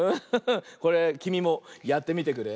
これきみもやってみてくれ。